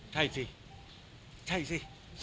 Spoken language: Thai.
ใช่สิใช่สิ